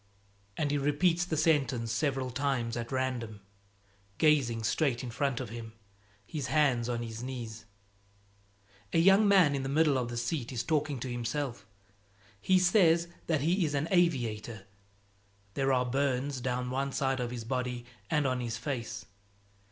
And he repeats the sentence several times at random, gazing straight in front of him, his hands on his knees. A young man in the middle of the seat is talking to himself. He says that he is an aviator. There are burns down one side of his body and on his face.